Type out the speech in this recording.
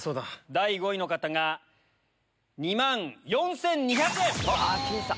第５位の方が２万４２００円。